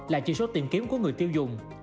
là chỉ số tìm kiếm của người tiêu dùng